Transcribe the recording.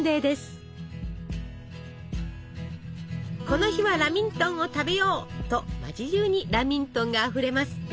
この日は「ラミントンを食べよう」と町じゅうにラミントンがあふれます。